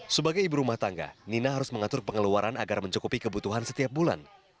sebagai ibu rumah tangga nina harus mengatur pengeluaran agar mencukupi kebutuhan setiap bulan